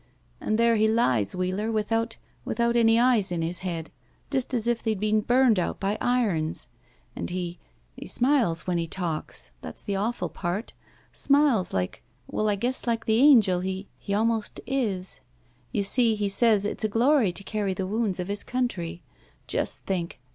"And there he lies, Wheeler, without — ^without any eyes in his head. Just as if they'd been burned out by irons. And he — ^he smiles when he talks. That's the awful part. Smiles like — ^well, I guess like the angel he — ^he almost is. You see, he says it's a glory to carry the woimds of his country. Just think!